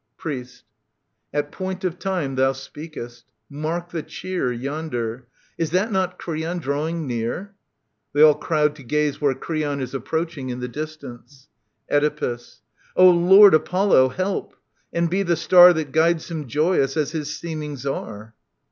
Priest. I I At point of time thou speakest. Mark the cheer (^'^^ i Yonder, Is that not Creon drawing near ? [They all crowd to gaze where Creon is approaching in the distance. Oedipus. O Lord Apollo, help ! And be the star That guides him joyous as his seemings are